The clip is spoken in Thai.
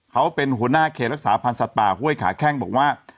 เขาเป็นหัวหน้าเขตรักษาพันธ์สัตว์ป่าห้วยขาแข้งบอกว่า